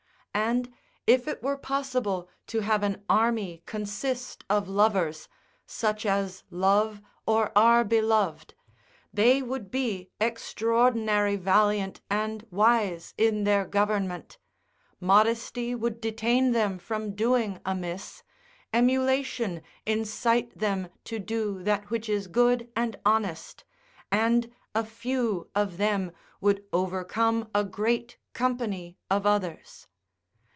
And if it were possible to have an army consist of lovers, such as love, or are beloved, they would be extraordinary valiant and wise in their government, modesty would detain them from doing amiss, emulation incite them to do that which is good and honest, and a few of them would overcome a great company of others.